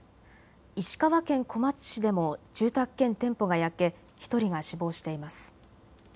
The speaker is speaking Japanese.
石川県小松市でも住宅兼店舗が焼け１人が死亡しています。